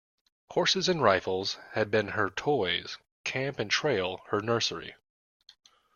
Horses and rifles had been her toys, camp and trail her nursery.